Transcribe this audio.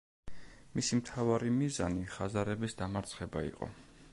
მისი მთავარი მიზანი ხაზარების დამარცხება იყო.